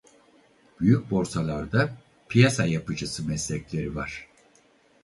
Büyük borsalarda piyasa yapıcısı meslekleri var.